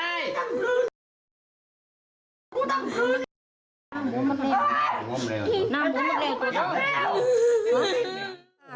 มีฟ่าหวานพี่เนศ